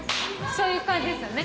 そういう感じですよね